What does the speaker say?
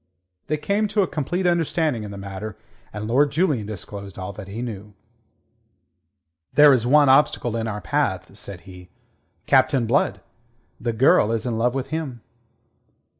They came to a complete understanding in the matter, and Lord Julian disclosed all that he knew. "There is one obstacle in our path," said he. "Captain Blood. The girl is in love with him."